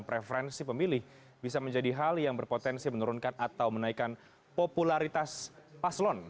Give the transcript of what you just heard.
dan preferensi pemilih bisa menjadi hal yang berpotensi menurunkan atau menaikkan popularitas paslon